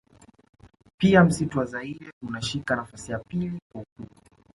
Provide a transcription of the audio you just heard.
Pia msitu wa zaire unashika nafasi ya pili kwa ukubwa